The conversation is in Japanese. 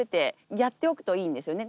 やっておくといいんですよね。